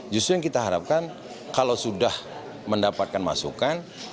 justru yang kita harapkan kalau sudah mendapatkan masukan